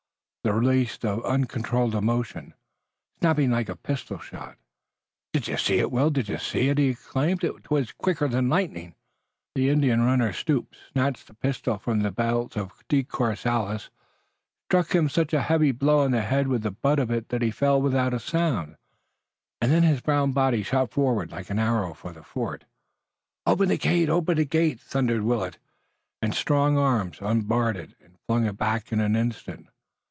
the release of uncontrollable emotion, snapping like a pistol shot. "Did you see it, Will? Did you see it?" he exclaimed. "It was quicker than lightning!" The Indian runner stooped, snatched the pistol from the belt of De Courcelles, struck him such a heavy blow on the head with the butt of it that he fell without a sound, and then his brown body shot forward like an arrow for the fort. "Open the gate! Open the gate!" thundered Willet, and strong arms unbarred it and flung it back in an instant.